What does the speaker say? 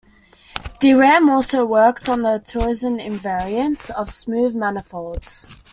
De Rham also worked on the torsion invariants of smooth manifolds.